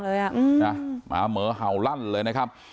เสียงดำเลยอ่ะมาเหมือเหาลั่นเลยนะครับ